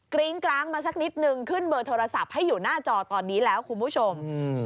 ริ้งกร้างมาสักนิดนึงขึ้นเบอร์โทรศัพท์ให้อยู่หน้าจอตอนนี้แล้วคุณผู้ชม